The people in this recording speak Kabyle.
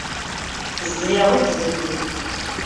Tezdi-yaɣ akk tdukli.